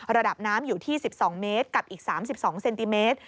ระดับน้ำอยู่ที่๑๒เมตรกับอีก๓๒เซนติเมตร